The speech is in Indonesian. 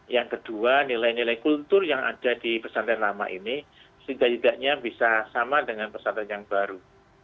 yang kedua nilai nilai kultur yang ada di pesantren lama ini sehingga tidaknya bisa sama dengan pesantren yang baru